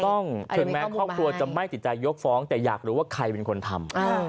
ถึงแม้ครอบครัวจะไม่ติดใจยกฟ้องแต่อยากรู้ว่าใครเป็นคนทำ